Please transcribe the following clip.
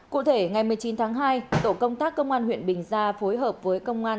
cụ thể ngày một mươi chín tháng hai tổ công tác công an huyện bình gia phối hợp với công an